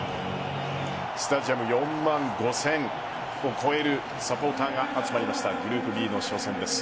スタジアム４万５０００を超えるサポーターが集まりましたグループＢの初戦です。